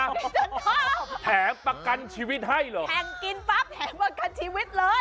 ฉันชอบแถมประกันชีวิตให้เหรอแข่งกินปั๊บแถมประกันชีวิตเลย